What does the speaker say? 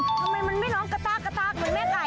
ทำไมมันไม่น้องกระต้ากระตากเหมือนแม่ไก่